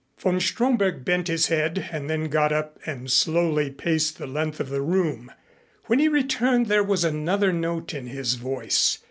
Von Stromberg bent his head and then got up and slowly paced the length of the room. When he returned there was another note in his voice.